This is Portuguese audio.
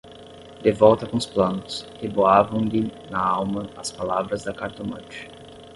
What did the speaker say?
De volta com os planos, reboavam-lhe na alma as palavras da cartomante.